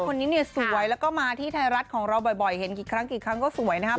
คนนี้เนี่ยสวยแล้วก็มาที่ไทยรัฐของเราบ่อยเห็นกี่ครั้งกี่ครั้งก็สวยนะครับ